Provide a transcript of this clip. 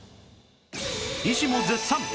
医師も絶賛！